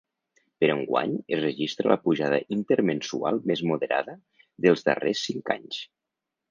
Però enguany es registra la pujada intermensual més moderada dels darrers cinc anys.